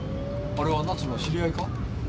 あれは奈津の知り合いか？